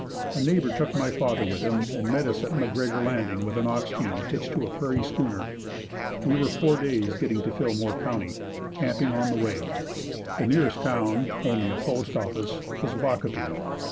A neighbor took my father with him and met us at McGregor Landing with an ox team hitched to a prairie schooner. We were four days getting to Fillmore County, camping on the way. The nearest town, only a post office, was Waukopee.